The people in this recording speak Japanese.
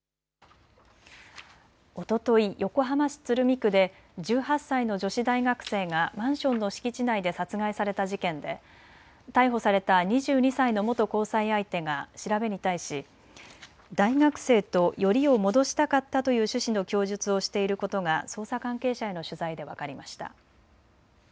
おととい、横浜市鶴見区で１８歳の女子大学生がマンションの敷地内で殺害された事件で逮捕された２２歳の元交際相手が調べに対し大学生とよりを戻したかったという趣旨の供述をしていることが捜査関係者への取材で分かりました。